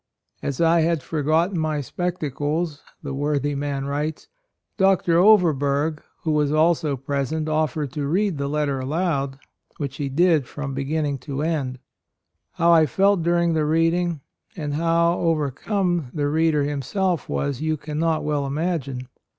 "As I had forgotten my spec tacles," the worthy man writes, "Dr. Overberg, who was also present, offered to read the letter aloud, which he did from beginning to end. How I felt AND MOTHER. 63 during the reading and how overcome the reader himself was you can not well imagine.